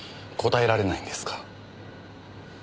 答えられないんですか？